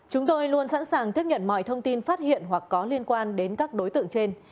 chúng tôi luôn sẵn sàng tiếp nhận mọi thông tin phát hiện hoặc có liên quan đến các đối tượng trên